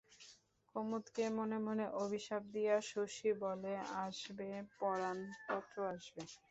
কুমুদকে মনে মনে অভিশাপ দিয়া শশী বলে, আসবে পরাণ, পত্র আসবে।